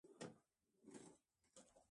دا دوه قبیلې ګډه ژبه او قومي ریښه لري.